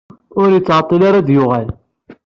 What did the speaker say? Ur yettɛeṭṭil ara ad d-yuɣal.